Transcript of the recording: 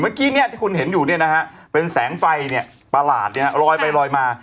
เมื่อกี้ที่คุณเห็นอยู่เป็นแสงไฟประหลาดลอยไปลอยมา